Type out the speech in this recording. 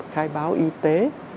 khai báo y tế